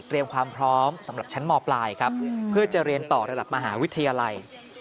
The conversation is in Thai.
ความพร้อมสำหรับชั้นมปลายครับเพื่อจะเรียนต่อระดับมหาวิทยาลัย